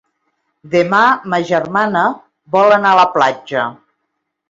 Demà ma germana vol anar a la platja.